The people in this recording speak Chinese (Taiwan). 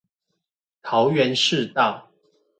桃園市道